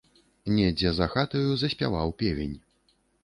Недзе за хатаю заспяваў певень.